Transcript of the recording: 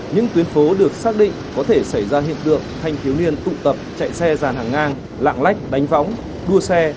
những tuyến phố được xác định có thể xảy ra hiện tượng thanh thiếu niên tụ tập chạy xe giàn hàng ngang lạng lách đánh võng đua xe